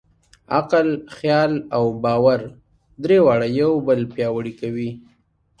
عقل، خیال او باور؛ درې واړه یو بل پیاوړي کوي.